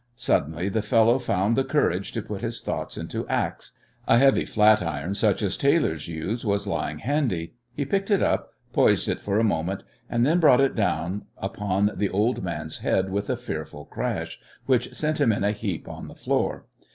Suddenly the fellow found the courage to put his thoughts into acts. A heavy flat iron, such as tailors use, was lying handy. He picked it up, poised it for a moment, and then brought it down upon the old man's head with a fearful crash, which sent him in a heap on the floor.